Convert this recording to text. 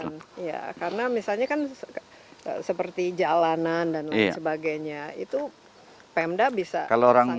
karena misalnya kan seperti jalanan dan lain sebagainya itu pemda bisa sangat terbangun